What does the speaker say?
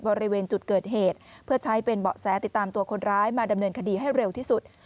บริเวณจุดเกิดเหตุเพื่อใช้เป็นเบาะแสติดตามตัวคนร้ายมาดำเนินคดีให้เร็วที่สุด